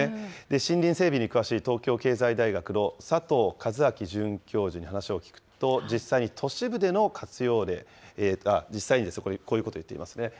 森林整備に詳しい東京経済大学の佐藤一光准教授に話を聞くと、実際に都市部での活用例、実際にこういうことを言ってますね。